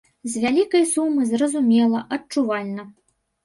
З вялікай сумы, зразумела, адчувальна.